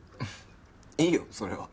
いいよそれは。